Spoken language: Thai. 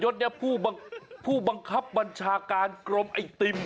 ผู้บังคับบัญชาการกรมไอติม